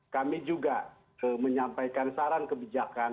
kami juga menyampaikan saran kebijakan